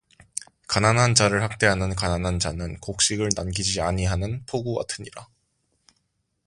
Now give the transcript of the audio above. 가난한 자를 학대하는 가난한 자는 곡식을 남기지 아니하는 폭우같으니라